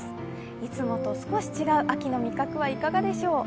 いつもと少し違う秋の味覚はいかがでしょう。